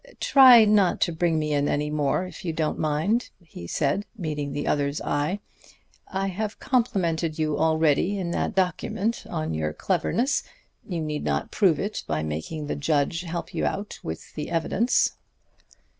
"Try not to bring me in any more, if you don't mind," he said, meeting the other's eye. "I have complimented you already in that document on your cleverness. You need not prove it by making the judge help you out with your evidence."